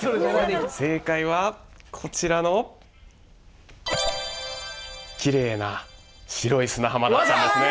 正解はこちらのきれいな白い砂浜だったんですね。